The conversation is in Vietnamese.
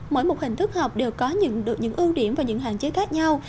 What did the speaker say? mỗi một hình thức học đều có được những ưu điểm và những hạn chế khác nhau